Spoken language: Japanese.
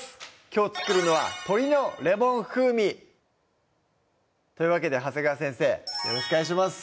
きょう作るのは「鶏のレモン風味」というわけで長谷川先生よろしくお願いします